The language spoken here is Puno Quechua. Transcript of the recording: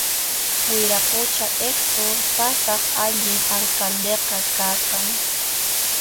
Wiraqucha Hector pasaq allin alcaldeqa karqan